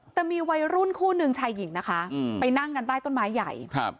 แต่มีวัยรุ่นคู่นึงชายหญิงไปนั่งกันใต้ต้นไม้ใหญ่